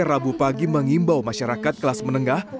rabu pagi mengimbau masyarakat kelas menengah